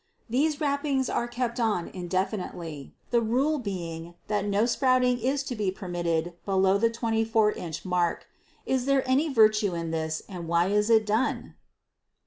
These wrappings are kept on indefinitely, the rule being that no sprouting is to be permitted below the 24 inch murk. Is there any virtue in this, and why is it done?